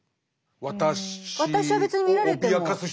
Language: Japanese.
私は別に見られても。